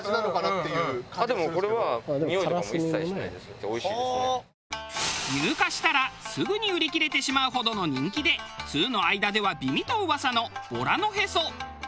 でもこれは。入荷したらすぐに売り切れてしまうほどの人気で通の間では美味と噂のボラのへそ。